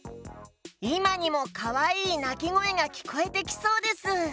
いまにもかわいいなきごえがきこえてきそうです。